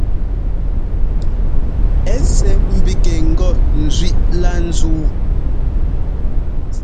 Ɛ́ sɛ́ ḿbígɛ ŋgɔ ńzẅíꞌ lá ńzúu.